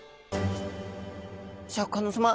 シャーク香音さま